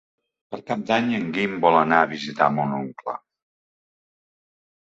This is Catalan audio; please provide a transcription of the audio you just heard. Per Cap d'Any en Guim vol anar a visitar mon oncle.